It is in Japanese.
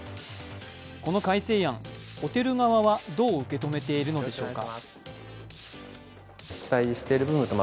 この改正案、ホテル側はどう受け止めているのでしょうか。